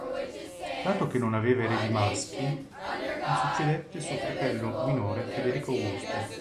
Dato che non aveva eredi maschi, gli succedette suo fratello minore Federico Augusto.